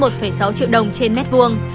một sáu triệu đồng trên mét vuông